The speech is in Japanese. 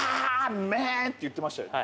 面！って言ってましたよね